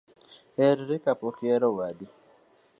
Herri kapok ihero wadu